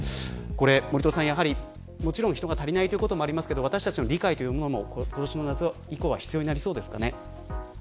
森戸さん人が足りないということもありますが私たちの理解もこの夏は必要になりそうですか。